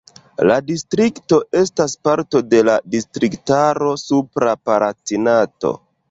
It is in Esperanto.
La distrikto estas parto de la distriktaro Supra Palatinato.